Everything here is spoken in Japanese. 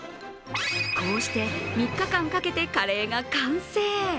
こうして３日間かけてカレーが完成